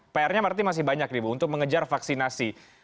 pr nya berarti masih banyak nih bu untuk mengejar vaksinasi